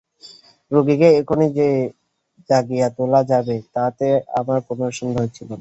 রোগীকে এখুনি যে জাগিয়ে তোলা যাবে তাতে আমার কোনোই সন্দেহ ছিল না।